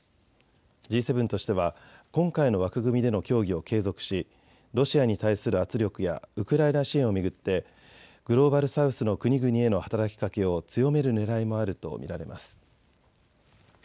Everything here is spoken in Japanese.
Ｇ７としては今回の枠組みでの協議を継続しロシアに対する圧力やウクライナ支援を巡ってグローバル・サウスの国々への働きかけを強めるねらいもあると見られます。